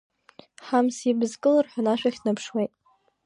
Ҳамс ибз кылырҳәҳәаны ашәахь днаԥшуеит.